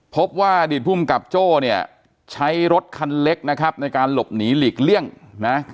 พบว่าอดีตภูมิกับโจ้เนี่ยใช้รถคันเล็กนะครับในการหลบหนีหลีกเลี่ยงนะ